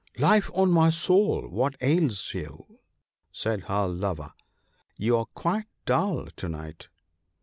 " Life of my soul ! what ails you ?" said her lover ;" you are quite dull to night."